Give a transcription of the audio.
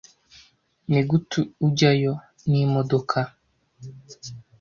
Nigute ujyayo? N'imodoka?